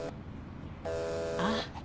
ああ。